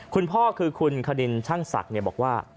คุณพ่อคือคุณคณินช่างศักดิ์บอกว่า